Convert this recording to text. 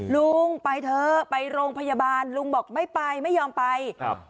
ลุงไปเถอะไปโรงพยาบาลลุงบอกไม่ไปไม่ยอมไปครับ